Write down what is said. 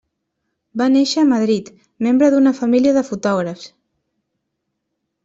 Va néixer a Madrid, membre d'una família de fotògrafs.